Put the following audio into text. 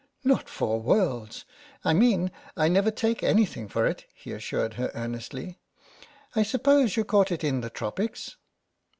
"Not for worlds — I mean, I never take anything for it," he assured her earnestly. I suppose you caught it in the Tropics?